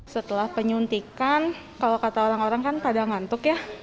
setelah penyuntikan kalau kata orang orang kan pada ngantuk ya